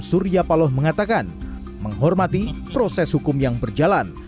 surya paloh mengatakan menghormati proses hukum yang berjalan